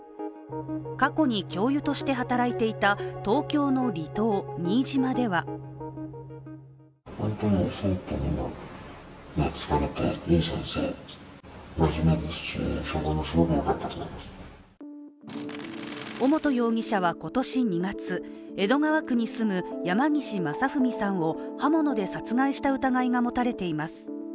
過去に教諭として働いていた東京の離島・新島では尾本容疑者は今年２月、江戸川区に住む山岸正文さんを刃物で殺害した疑いが持たれています。